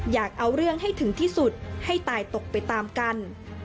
อยากเอาเรื่องให้ถึงที่สุดให้ตายตกไปตามกัน